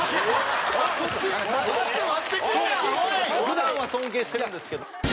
普段は尊敬してるんですけど。